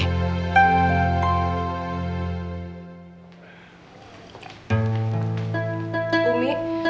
sampai jumpa di video selanjutnya